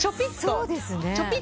そうですね。